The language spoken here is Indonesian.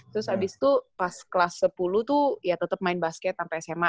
terus abis itu pas kelas sepuluh tuh ya tetap main basket sampai sma